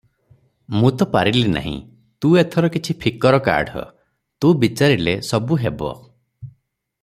ମୁଁ ତ ପାରିଲି ନାହିଁ ତୁ ଏଥିର କିଛି ଫିକର କାଢ଼, ତୁ ବିଚାରିଲେ ସବୁ ହେବ!